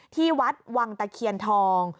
ที่วัดวังตะเคียนทอง